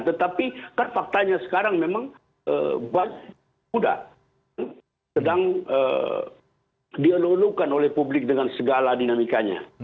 tetapi kan faktanya sekarang memang bangsa muda sedang dialulukan oleh publik dengan segala dinamikanya